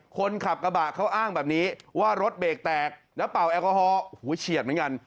คนขับกระบะเขาอ้างแบบนี้ว่ารถเบกแตกแล้วเป่าแอลกอฮอล์